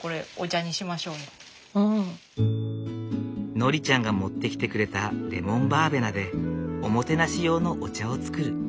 ノリちゃんが持ってきてくれたレモンバーベナでおもてなし用のお茶を作る。